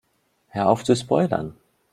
Hör auf zu spoilern!